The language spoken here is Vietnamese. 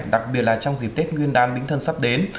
đặc biệt là trong dịp tết nguyên đán bính thân sắp đến